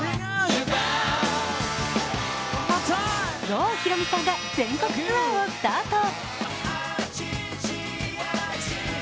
郷ひろみさんが全国ツアーをスタート。